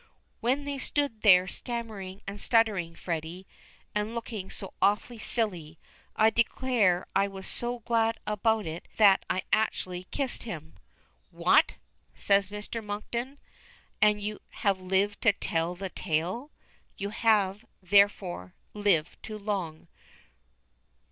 "When they stood there stammering and stuttering, Freddy, and looking so awfully silly, I declare I was so glad about it that I actually kissed him!'" "What!" says Mr. Monkton. "And you have lived to tell the tale! You have, therefore; lived too long.